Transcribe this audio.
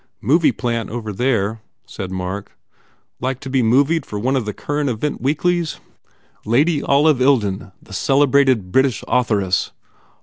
"Movie plant over there," said Mark, "Like to be movied for one of the current event weeklies? Lady Olive Ilden, the celebrated British author ess?"